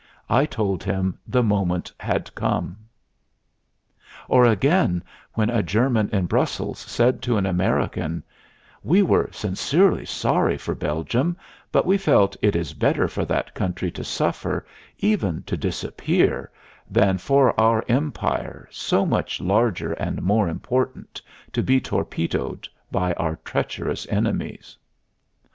I told him the moment had come." Or again, when a German in Brussels said to an American: "We were sincerely sorry for Belgium; but we feel it is better for that country to suffer, even to disappear, than for our Empire, so much larger and more important, to be torpedoed by our treacherous enemies."